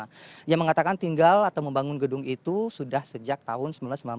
dia mengatakan tinggal atau membangun gedung itu sudah sejak tahun seribu sembilan ratus sembilan puluh delapan